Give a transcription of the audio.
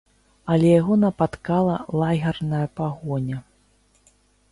Але яго напаткала лагерная пагоня.